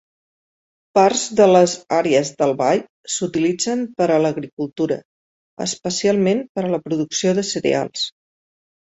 Parts de les àrees del vall s'utilitzen per a l'agricultura, especialment per a la producció de cereals.